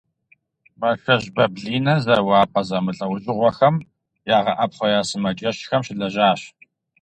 Мэшэжь Баблинэ зэуапӏэ зэмылӏэужьыгъуэхэм ягъэӏэпхъуэ я сымаджэщхэм щылэжьащ.